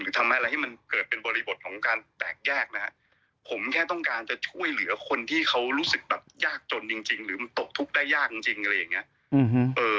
ทำให้อะไรที่มันเกิดเป็นบริบทของการแตกแยกนะฮะผมแค่ต้องการจะช่วยเหลือคนที่เขารู้สึกแบบยากจนจริงจริงหรือมันตกทุกข์ได้ยากจริงจริงอะไรอย่างเงี้ย